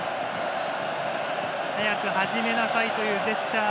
早く始めなさいというジェスチャー。